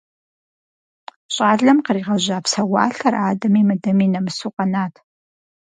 ЩӀалэм къригъэжьа псэуалъэр адэми мыдэми нэмысу къэнат.